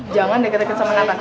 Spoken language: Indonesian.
jangan deket deket sama nathan